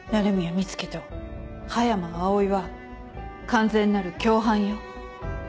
美月と葉山葵は完全なる共犯よ。